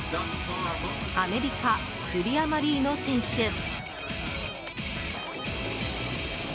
アメリカジュリア・マリーノ選手。